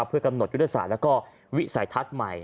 เพื่อกำหนดยุทธศาสตร์และวิสัยทัศน์ใหม่